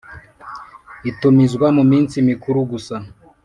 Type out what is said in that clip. itumizwa mu minsi mikuru gusa